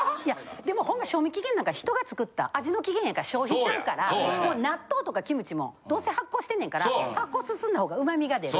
でもほんま賞味期限なんか人が作った味の期限やから消費ちゃうから納豆とかキムチもどうせ発酵してんねんから発酵進んだほうが旨味が出る。